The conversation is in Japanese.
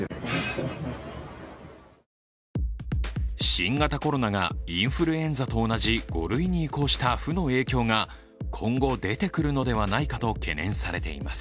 新型コロナがインフルエンザと同じ５類に移行した負の影響が今後出てくるのではないかと懸念されています